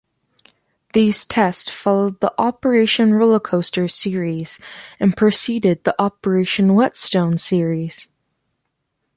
These tests followed the "Operation Roller Coaster" series and preceded the "Operation Whetstone" series.